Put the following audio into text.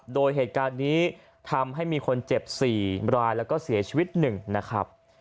โดยเหตุการณ์นี้ทำให้มีคนเจ็บ๔รายแล้วก็เสียชีวิต๑นะครับ